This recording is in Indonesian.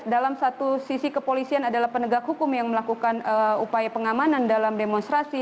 dalam satu sisi kepolisian adalah penegak hukum yang melakukan upaya pengamanan dalam demonstrasi